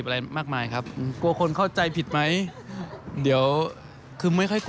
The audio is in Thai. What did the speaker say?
แล้วก็เอ่ยชื่อพี่ต้นหอมอะไรอย่างนี้